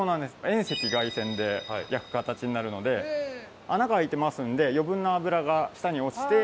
遠赤外線で焼く形になるので穴が開いてますんで余分な脂が下に落ちて。